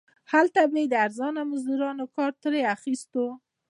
هلته به یې د ارزانه مزدورانو کار ترې اخیست.